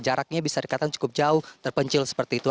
jaraknya bisa dikatakan cukup jauh terpencil seperti itu